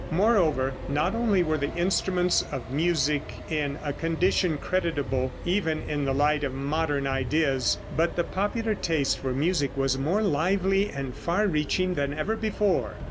Moreover, not only were the instruments of music in a condition creditable even in the light of modern ideas, but the popular taste for music was more lively and far reaching than ever before.